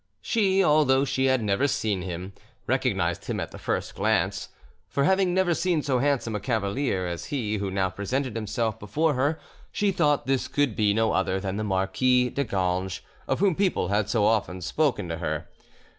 She, although she had never seen him, recognised him at the first glance; for having never seen so handsome a cavalier as he who now presented himself before her, she thought this could be no other than the Marquis de Ganges, of whom people had so often spoken to her.